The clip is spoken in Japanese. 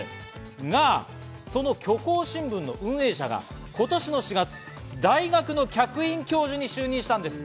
が、その虚構新聞の運営者が今年の４月、大学の客員教授に就任したんです。